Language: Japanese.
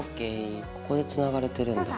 ここでつながれてるんだ。